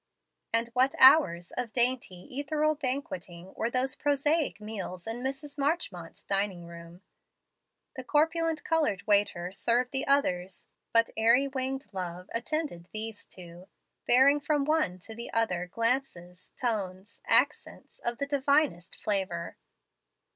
And what hours of dainty, ethereal banqueting were those prosaic meals in Mrs. Marchmont's dining room! The corpulent colored waiter served the others, but airy winged love attended these two, bearing from one to the other glances, tones, accents, of the divinest flavor.